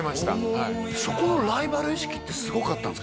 はいそこのライバル意識ってすごかったんですか？